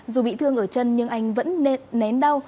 dù bị thương ở chân nhưng anh vẫn nện đau